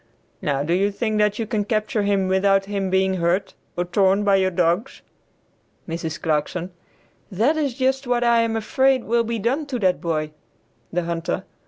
Now do you think that you can capture him without his being hurt, or torn by your dogs?" Mrs. Clarkson. "That is just what I am afraid will be done to that boy." The Hunter.